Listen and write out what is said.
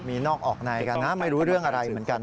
มีนอกออกในกันนะไม่รู้เรื่องอะไรเหมือนกัน